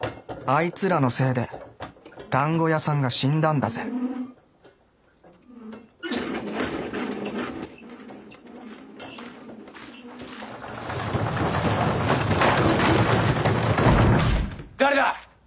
いつらのせいでだんご屋さんが死んだんだぜ誰だ！